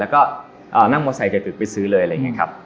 แล้วก็นั่งมอเซตึกไปซื้อเลยอะไรอย่างนี้ครับ